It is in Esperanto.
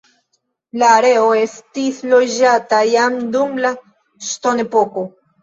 La areo estis loĝata jam dum la ŝtonepoko.